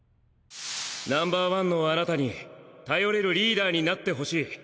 ＮＯ．１のあなたに頼れるリーダーになってほしい。